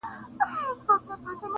چي د مجنون په تلاښ ووزمه لیلا ووینم-